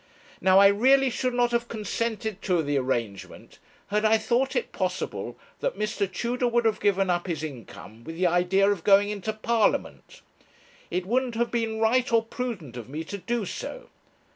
Now I really should not have consented to the arrangement had I thought it possible that Mr. Tudor would have given up his income with the idea of going into Parliament. It wouldn't have been right or prudent of me to do so.